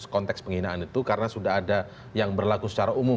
konteks penghinaan itu karena sudah ada yang berlaku secara umum